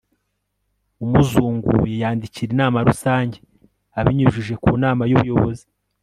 umuzunguye yandikira inama rusange, abinyujije ku nama y'ubuyobozi